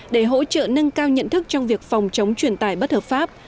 để hỗ trợ nâng cao nhận thức trong việc phòng chống chuyển tài bất hợp pháp